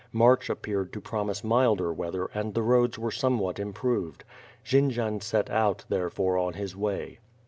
March appeared to promise milder weather and the roads were somewhat improved. Jendzian set out, therefore, on his way.